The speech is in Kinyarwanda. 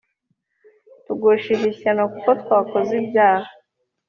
Tugushije ishyano kuko twakoze ibyaha!